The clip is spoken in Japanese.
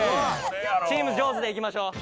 チームジョーズでいきましょう。